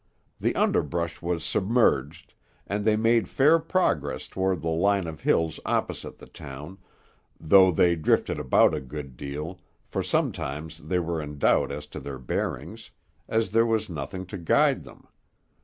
The underbrush was submerged, and they made fair progress toward the line of hills opposite the town, though they drifted about a good deal, for sometimes they were in doubt as to their bearings, as there was nothing to guide them.